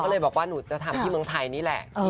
ก็เลยบอกว่าหนูจะทำที่เมืองไทยนี่แหละ